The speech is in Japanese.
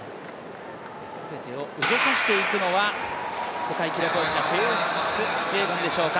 全てを動かしていくのは世界記録保持者、フェイス・キピエゴンでしょうか。